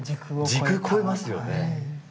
時空超えますよね。